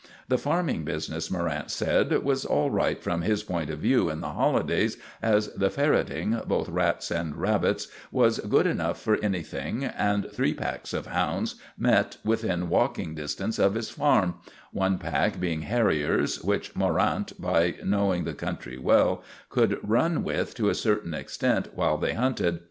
The farming business, Morrant said, was all right from his point of view in the holidays, as the ferreting, both rats and rabbits, was good enough for anything, and three packs of hounds met within walking distance of his farm, one pack being harriers, which Morrant, by knowing the country well, could run with to a certain extent while they hunted.